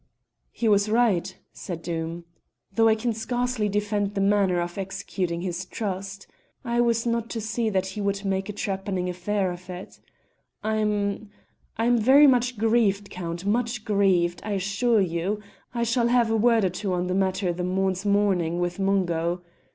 "He was right," said Doom, "though I can scarcely defend the manner of executing his trust: I was not to see that he would make a trepanning affair of it. I'm I'm very much grieved, Count, much grieved, I assure you: I shall have a word or two on the matter the morn's morning with Mungo.